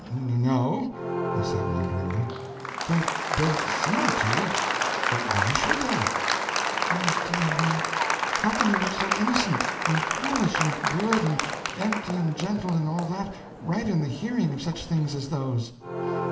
"N—no," he said wonderingly, "they don't seem to. Why should they?" "O, dear me, how can you look so innocent, and foolish, and good, and empty, and gentle, and all that, right in the hearing of such things as those!